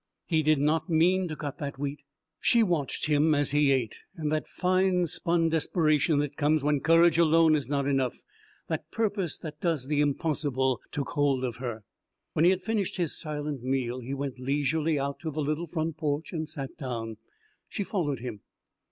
He did not mean to cut that wheat. She watched him as he ate, and that fine spun desperation that comes when courage alone is not enough, that purpose that does the impossible, took hold of her. When he had finished his silent meal he went leisurely out to the little front porch and sat down. She followed him.